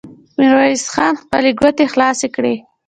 ميرويس خان خپلې ګوتې خلاصې کړې.